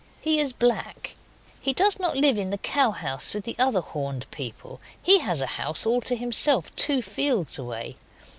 He is black. He does not live in the cowhouse with the other horned people; he has a house all to himself two fields away.